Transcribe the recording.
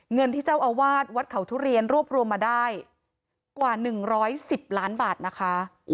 เงินที่เจ้าอาวาสวัดเขาทุเรียนรวบรวมมาได้กว่า๑๑๐ล้านบาทนะคะ